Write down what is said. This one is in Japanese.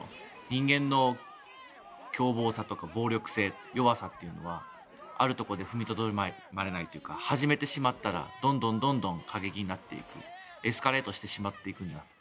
人間の凶暴さとか暴力性弱さというのはあるところで踏みとどまれないというか始めてしまったらどんどん過激になっていくエスカレートしていくんだ。